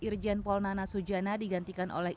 irjen pol nana sujana digantikan oleh